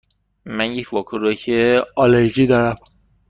من یک واکنش آلرژی دارم.